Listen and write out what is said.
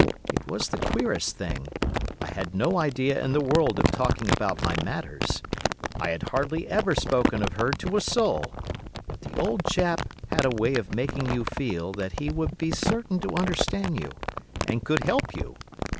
It was the queerest thing; I had no idea in the world of talking about my matters. I had hardly ever spoken of her to a soul; but the old chap had a way of making you feel that he would be certain to understand you, and could help you.